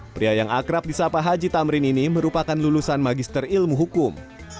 pria yang akrab di sapa haji tamrin ini merupakan lulusan magister ilmu hukum